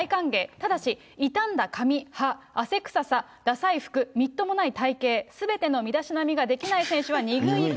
ただし、傷んだ髪、汗臭さ、ダサい服、みっともない体形、すべての身だしなみができない選手は２軍行き。